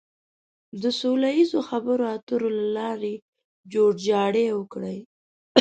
د سوله ييزو خبرو اترو له لارې جوړجاړی وکړي.